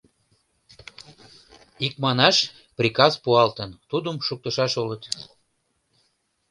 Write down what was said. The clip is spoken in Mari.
Икманаш, приказ пуалтын, тудым шуктышаш улыт.